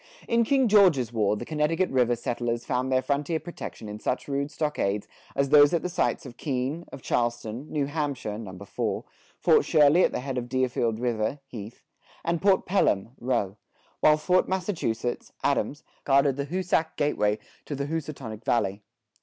[72:1] In King George's War, the Connecticut River settlers found their frontier protection in such rude stockades as those at the sites of Keene, of Charlestown, New Hampshire (Number Four), Fort Shirley at the head of Deerfield River (Heath), and Fort Pelham (Rowe); while Fort Massachusetts (Adams) guarded the Hoosac gateway to the Hoosatonic Valley.